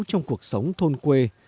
trong cuộc sống thôn quê